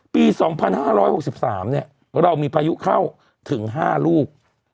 ปี๒๕๖๓เรามีพายุเข้าถึง๕ลูก